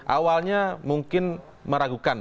awalnya mungkin merayakan